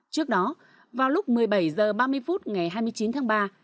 trước đó vào lúc một mươi h ba mươi công an tp đã đưa ra một bộ phát huy hiệu quả